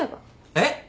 えっ？